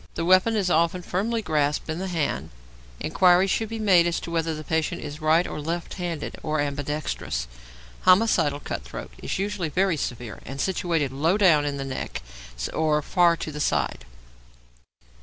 The weapon is often firmly grasped in the hand. Inquiry should be made as to whether the patient is right or left handed, or ambidextrous. Homicidal cut throat is usually very severe and situated low down in the neck or far to the side.